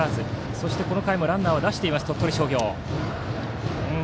そしてこの回もランナーを出した鳥取商業です。